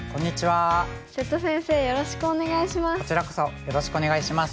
瀬戸先生よろしくお願いします。